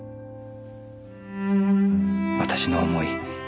私の思い